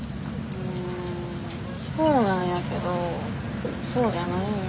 うんそうなんやけどそうじゃないんよ。